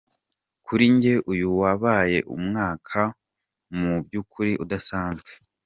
Kuri jye, uyu wabaye umwaka mu by'ukuri udasanzwe".